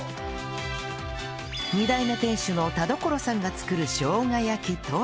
２代目店主の田所さんが作るしょうが焼きとは